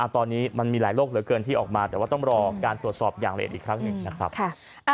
ตอนนี้มันมีหลายโรคเหลือเกินที่ออกมาแต่ว่าต้องรอการตรวจสอบอย่างละเอียดอีกครั้งหนึ่งนะครับ